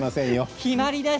決まりです。